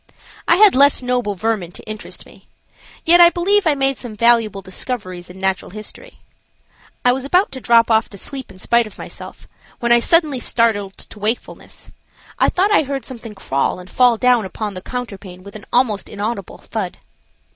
I had less noble vermin to interest me. Yet I believe I made some valuable discoveries in natural history. I was about to drop off to sleep in spite of myself when I was suddenly startled to wakefulness. I thought I heard something crawl and fall down upon the counterpane with an almost inaudible thud.